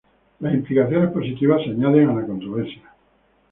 Las implicaciones políticas se añaden a la controversia.